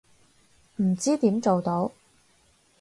唔知點做到